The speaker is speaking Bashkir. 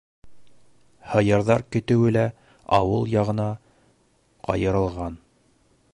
Һыйырҙар көтөүе лә ауыл яғына ҡайырылған.